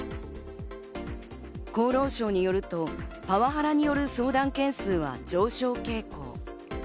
厚労省によるとパワハラによる相談件数は上昇傾向。